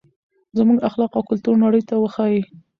زموږ اخلاق او کلتور نړۍ ته وښایئ.